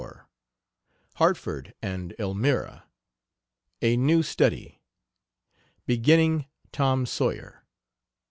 LETTERS 1874. HARTFORD AND ELMIRA. A NEW STUDY. BEGINNING "TOM SAWYER."